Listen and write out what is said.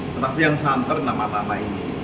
tetapi yang santer nama nama ini